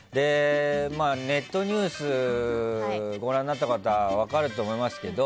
ネットニュースご覧になった方は分かると思いますけど。